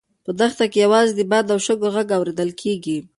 په دښته کې یوازې د باد او شګو غږ اورېدل کېږي.